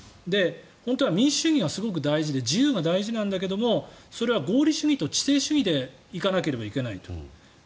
本当は民主主義はすごく大事で自由が大事なんだけどそれは合理主義と知性主義で行かなければいけないと。